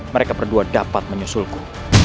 mereka berdua dapat menyusul ku